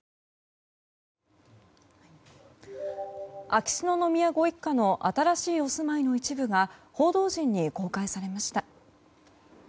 秋篠宮ご一家の新しいお住まいの一部が報道陣に公開されました。